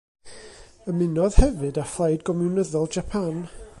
Ymunodd hefyd â Phlaid Gomiwnyddol Japan.